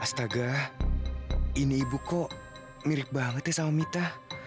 astaga ini ibu kok mirip banget ya sama mita